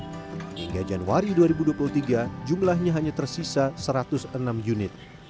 hingga januari dua ribu dua puluh tiga jumlahnya hanya tersisa satu ratus enam unit